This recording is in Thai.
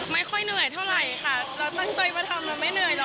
ไม่ค่อยเหนื่อยเท่าไหร่ค่ะเราตั้งใจมาทำเราไม่เหนื่อยหรอ